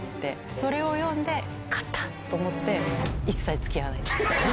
それを読んで、勝ったって思って、一切つきあわない。